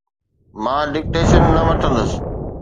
مان ڊڪٽيشن نه وٺندس.